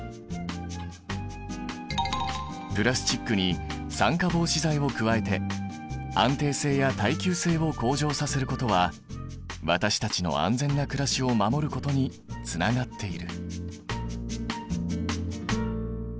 プラスチックに酸化防止剤を加えて安定性や耐久性を向上させることは私たちの安全なくらしを守ることにつながっている。